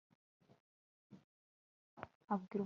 abwira umugi wose ati